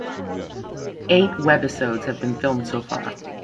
Eight webisodes have been filmed so far.